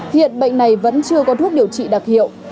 hiện bệnh này vẫn chưa có thuốc điều trị đặc hiệu